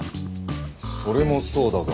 それもそうだが。